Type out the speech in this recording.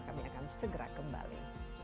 kami akan segera kembali